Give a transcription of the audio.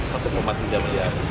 satu pemakian jam